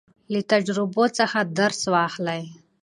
له تجربو څخه درس واخلئ.